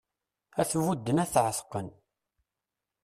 Ad t-budden ad t-εetqen